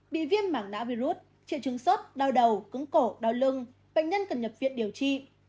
bị viêm mảng nã virus triệu chứng sốt đau đầu cứng cổ đau lưng bệnh nhân cần nhập viện điều trị